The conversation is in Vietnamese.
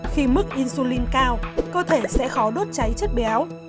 khi mức insulin cao cơ thể sẽ khó đốt cháy chất béo